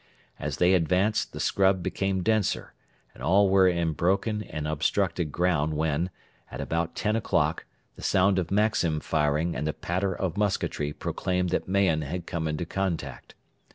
As they advanced the scrub became denser, and all were in broken and obstructed ground when, at about ten o'clock, the sound of Maxim firing and the patter of musketry proclaimed that Mahon had come into contact.